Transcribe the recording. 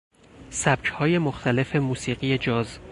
سبک های مختلف موسیقی جاز